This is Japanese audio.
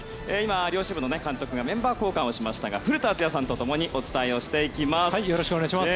両チームの監督がメット交換を行いましたが古田敦也さんとお伝えしていきます。